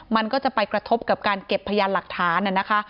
มันก็จะไปกระทบกับการเก็บพยานหลักฐานนะคะ